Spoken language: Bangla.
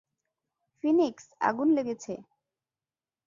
ফিনিক্স, আগুন লেগেছে।